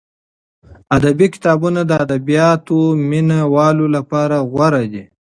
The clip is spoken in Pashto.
ادبي کتابونه د ادبیاتو مینه والو لپاره غوره دي.